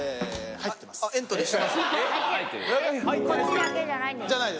こっちだけじゃないんだ。